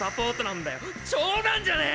冗談じゃねえ！